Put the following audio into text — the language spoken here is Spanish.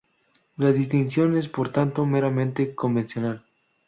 La distinción es por tanto meramente convencional.